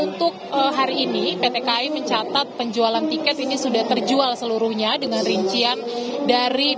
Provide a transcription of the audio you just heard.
untuk hari ini pt kai mencatat penjualan tiket ini sudah terjual seluruhnya dengan rincian dari